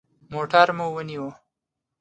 موټر مو ونیوه.